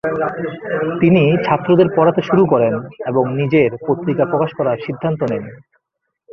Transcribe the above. তিনি ছাত্রদের পড়াতে শুরু করেন এবং নিজের পত্রিকা প্রকাশ করার সিদ্ধান্ত নেন।